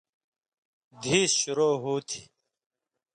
دِھیس شرو ہو تھی۔